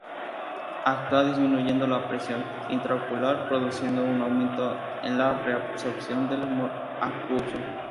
Actúa disminuyendo la presión intraocular, produciendo un aumento en la reabsorción del humor acuoso.